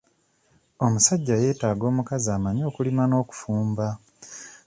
Omusajja yeetaaga omukazi amanyi okulima n'okufumba.